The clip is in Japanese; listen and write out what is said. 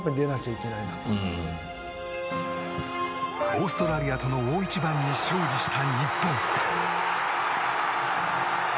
オーストラリアとの大一番に勝利した日本。